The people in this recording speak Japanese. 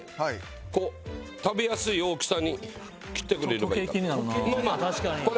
こう食べやすい大きさに切ってくれればいいから。